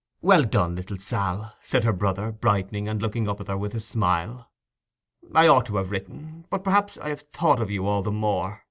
'Well done, little Sal!' said her brother, brightening and looking up at her with a smile. 'I ought to have written; but perhaps I have thought of you all the more.